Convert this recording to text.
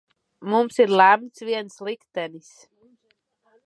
Mums ir lemts viens liktenis.